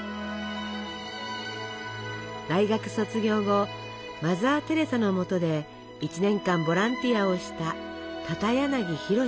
大学卒業後マザー・テレサのもとで１年間ボランティアをした片柳弘史神父。